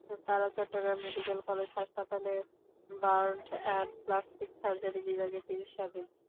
তাঁরা Chattogram medical college হাসপাতালের burn and plastic surgery বিভাগে চিকিৎসাধীন।